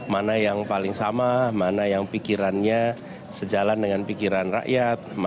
mana yang paling sama mana yang pikirannya sejalan dengan pikiran rakyat